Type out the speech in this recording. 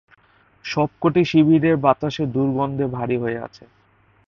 সব কটি শিবিরে বাতাস দুর্গন্ধে ভারী হয়ে আছে।